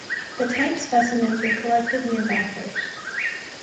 The type specimens were collected near Bathurst.